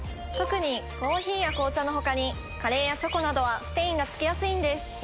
特にコーヒーや紅茶のほかにカレーやチョコなどはステインがつきやすいんです。